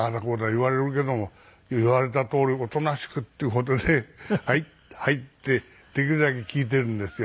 言われるけども言われたとおりおとなしくっていう事で「はいはい」ってできるだけ聞いているんですよ。